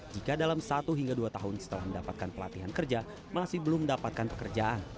jika dalam satu hingga dua tahun setelah mendapatkan pelatihan kerja masih belum mendapatkan pekerjaan